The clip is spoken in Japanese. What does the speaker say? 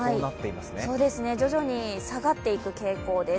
徐々に下がっていく傾向です。